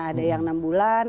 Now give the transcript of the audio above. ada yang enam bulan